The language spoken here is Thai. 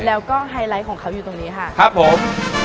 แล้วก็ไฮไลท์ของเขาอยู่ตรงนี้ค่ะครับผม